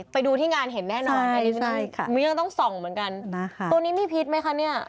ไปดูที่งานเห็นแน่นอนอันนี้ยังต้องส่องเหมือนกันตัวนี้มีพิษไหมคะเนี่ย